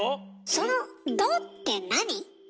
その「ド」って何？